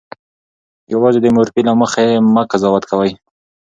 یوازې د مورفي له مخې مه قضاوت کوئ.